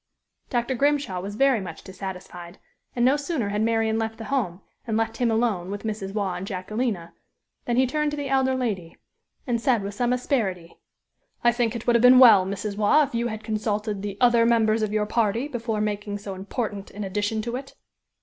Dr. Grimshaw was very much dissatisfied; and no sooner had Marian left the home, and left him alone with Mrs. Waugh and Jacquelina, than he turned to the elder lady, and said, with some asperity: "I think it would have been well, Mrs. Waugh, if you had consulted the other members of your party before making so important an addition to it."